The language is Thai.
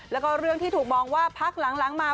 แล้วก็เรื่องที่ถูกมองว่าพักหลังมา